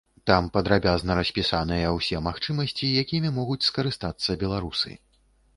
Там падрабязна распісаныя ўсе магчымасці, якімі могуць скарыстацца беларусы.